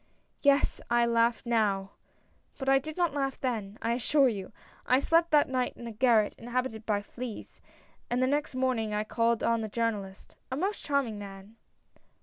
"Yes — I laugh now, but I did not laugh then, I assure you! I slept that night in a garret inhabited by fleas; and the next morning I called on the Jour nalist — a most charming man."